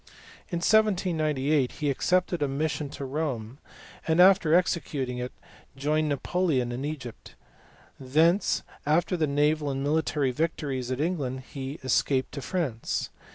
In 1798 he accepted a mission to Rome, and after executing it joined Napoleon in Egypt. Thence after the naval and military victories of England he escaped to France.